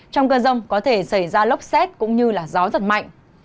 trong cơn rông có thể xảy ra lốc xét cũng như gió giật mạnh